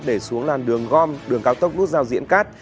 để xuống làn đường gom đường cao tốc nút giao diễn cát